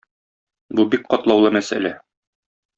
Бу бик катлаулы мәсьәлә.